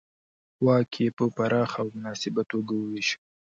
واک یې په پراخه او مناسبه توګه وېشه.